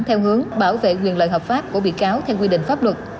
theo hướng bảo vệ quyền lợi hợp pháp của bị cáo theo quy định pháp luật